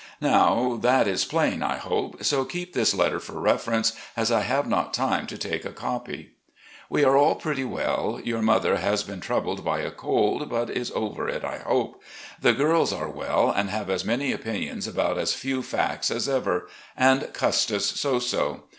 Now that is plain, I hope, so keep this letter for reference, as I have not time to take a copy. "We are all pretty well. Your mother has been '.Toubled by a cold, but is over it I hope. The girls are well, and have as many opinions with as few acts as ever; and Custis so so.